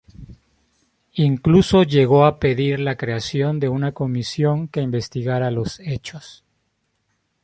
Incluso llegó a pedir la creación de una comisión que investigara los hechos.